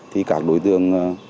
thì các đối tượng